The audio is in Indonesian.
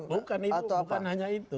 bukan itu bukan hanya itu